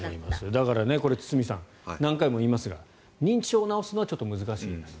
だからこれ、堤さん何回も言いますが認知症を治すのは難しいです